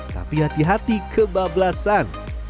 tapi hati hati kebablasan